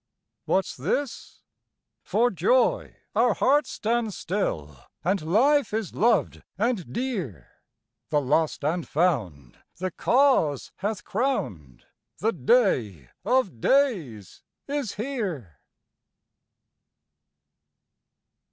What's this? For joy our hearts stand still, And life is loved and dear, The lost and found the Cause hath crowned, The Day of Days is here.